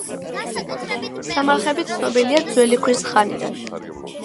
სამარხები ცნობილია ძველი ქვის ხანიდან.